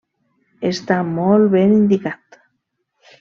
Està molt ben indicat.